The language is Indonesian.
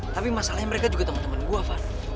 tapi masalahnya mereka juga temen dua gua van